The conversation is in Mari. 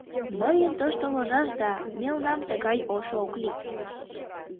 Мыйын тошто ложаш да, мелнам тыгай ошо ок лий.